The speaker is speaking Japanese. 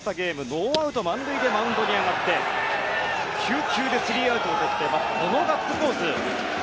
ノーアウト満塁でマウンドに上がって９球でスリーアウトをとってガッツポーズ。